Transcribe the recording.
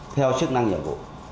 theo chức năng nhiệm vụ